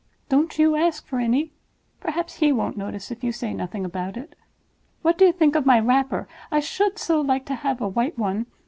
Don't you ask for any. Perhaps he won't notice if you say nothing about it. What do you think of my wrapper? I should so like to have a white one.